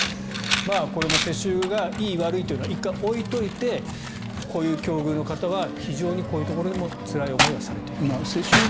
これも世襲がいい、悪いというのは１回置いておいてこういう境遇の方は非常にこういうところでもつらい思いはされているという。